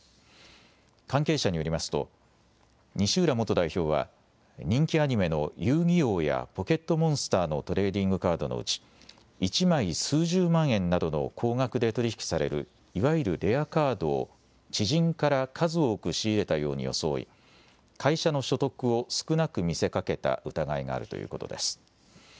関係者によりますと、西浦元代表は、人気アニメの遊戯王や、ポケットモンスターのトレーディングカードのうち、１枚数十万円などの高額で取り引きされる、いわゆるレアカードを、知人から数多く仕入れたように装い、会社の所得を少なく見せかけた疑いがあるということです。